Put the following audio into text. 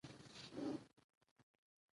هر یو د احمد او محمود ترمنځ اختلافات